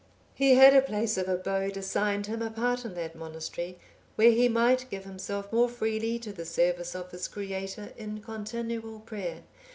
He had a place of abode assigned him apart in that monastery, where he might give himself more freely to the service of his Creator in continual prayer.